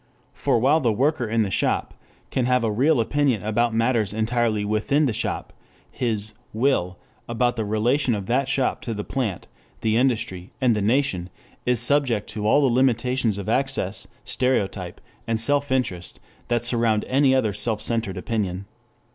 For while the worker in the shop can have a real opinion about matters entirely within the shop, his "will" about the relation of that shop to the plant, the industry, and the nation is subject to all the limitations of access, stereotype, and self interest that surround any other self centered opinion.